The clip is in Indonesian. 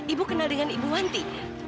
ibu kenal dengan ibu wanti